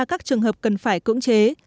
các trường hợp cần phải cưỡng chế